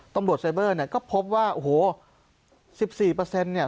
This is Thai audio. ตำลวจเนี้ยก็พบว่าโอ้โหสิบสี่เปอร์เซ็นต์เนี้ย